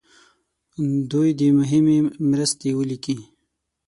دوی دې مهمې مرستې ولیکي.